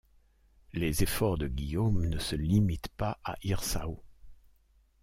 Les efforts de Guillaume ne se limitent pas à Hirsau.